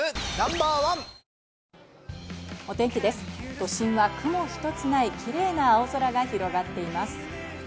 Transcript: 都心は雲一つないキレイな青空が広がっています。